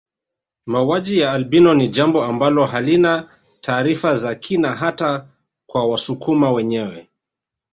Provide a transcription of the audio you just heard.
Mauji ya albino ni jambo ambalo halina taarifa za kina hata kwa wasukuma wenyewe